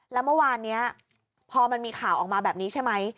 แล้วเมื่อวานนี้พอมันมีข่าวออกมาแบบนี้ใช่ไหม